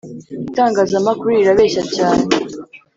Itangazamakuru rirabeshya cyane